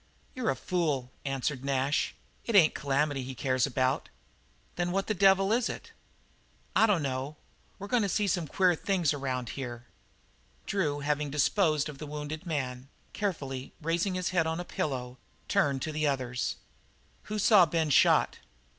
"You're a fool," answered Nash. "It ain't Calamity he cares about." "Then what the devil is it?" "I dunno. We're goin' to see some queer things around here." Drew, having disposed of the wounded man, carefully raising his head on a pillow, turned to the others. "Who saw Ben shot?"